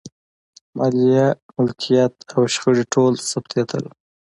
مالیه، ملکیت او شخړې ټول ثبتېدل.